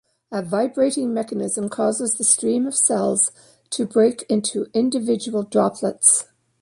A vibrating mechanism causes the stream of cells to break into individual droplets.